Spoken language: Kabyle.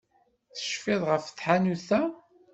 Tecfiḍ ɣef tḥanut-a?